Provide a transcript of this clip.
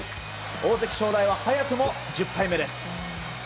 大関・正代は早くも１０敗目です。